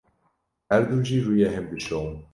Her du jî rûyê hev dişon.